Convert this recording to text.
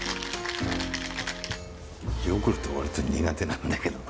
ヨーグルト割と苦手なんだけどな。